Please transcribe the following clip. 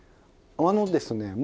あのですね